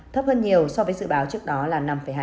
thấp hơn nhiều so với dự báo trước đó là năm hai